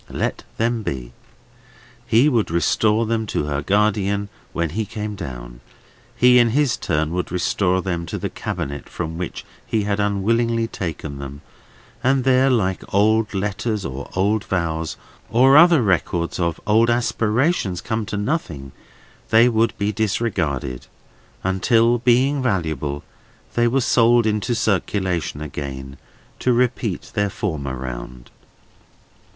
Let them be. He would restore them to her guardian when he came down; he in his turn would restore them to the cabinet from which he had unwillingly taken them; and there, like old letters or old vows, or other records of old aspirations come to nothing, they would be disregarded, until, being valuable, they were sold into circulation again, to repeat their former round.